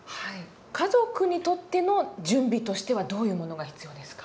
家族にとっての準備としてはどういうものが必要ですか？